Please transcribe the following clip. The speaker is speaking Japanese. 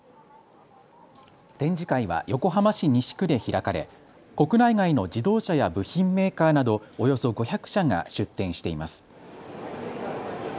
展示会は横浜市西区で開かれ国内外の自動車や部品メーカーなど、およそ５００社が出展しています。